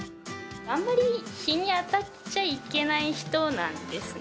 あんまり日に当たっちゃいけない人なんですね。